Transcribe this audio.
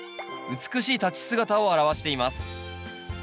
美しい立ち姿を表しています。